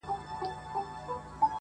په هر قالب کي څه برابر یې!.